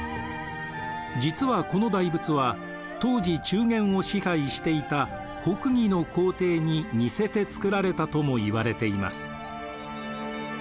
実はこの大仏は当時中原を支配していた北魏の皇帝に似せて作られたとも言われています。